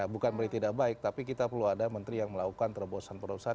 bukan berarti tidak baik tapi kita perlu ada menteri yang melakukan terobosan terobosan